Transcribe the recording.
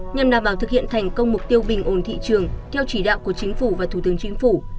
nhằm đảm bảo thực hiện thành công mục tiêu bình ổn thị trường theo chỉ đạo của chính phủ và thủ tướng chính phủ